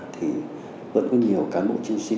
thì vẫn có nhiều cán bộ chiến sĩ